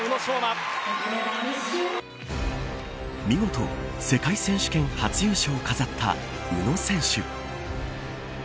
見事、世界選手権初優勝を飾った宇野選手。